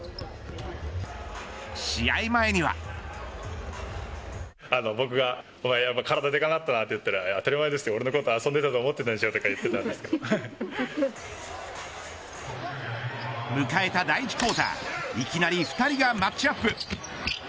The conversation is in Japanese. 試合前には迎えた第１クオーターいきなり２人がマッチアップ。